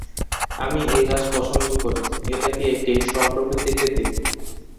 আমি এই গাছ পছন্দ করি - এটা কি একটি স্ব-প্রতিকৃতি?